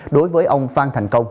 đối với ông phan thành công